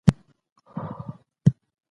توازن دواړه سره نښلوي.